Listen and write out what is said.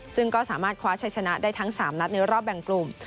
ซึ่งก็สามารถคว้าชัยชนะได้ทั้ง๓นัดในรอบแบ่งกลุ่ม